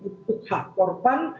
untuk hak korban